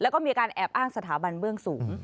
แล้วก็มีการแอบอ้างสถาบันเบื้องสูง